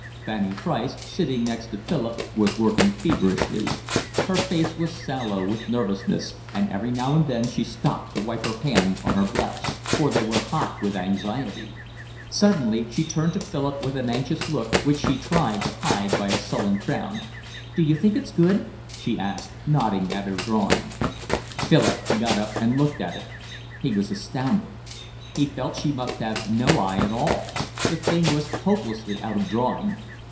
Fanny Price, sitting next to Philip, was working feverishly. Her face was sallow with nervousness, and every now and then she stopped to wipe her hands on her blouse; for they were hot with anxiety. Suddenly she turned to Philip with an anxious look, which she tried to hide by a sullen frown. "D'you think it's good?" she asked, nodding at her drawing. Philip got up and looked at it. He was astounded; he felt she must have no eye at all; the thing was hopelessly out of drawing.